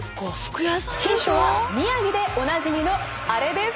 ヒントは宮城でおなじみのあれです。